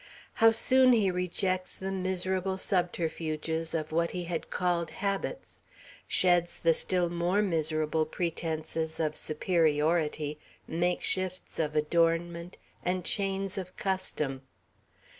How soon he rejects the miserable subterfuges of what he had called habits; sheds the still more miserable pretences of superiority, makeshifts of adornment, and chains of custom!